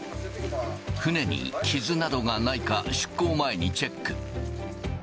船に傷などがないか出航前にチェック。